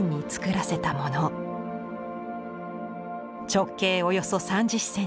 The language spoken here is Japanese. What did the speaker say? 直径およそ３０ｃｍ。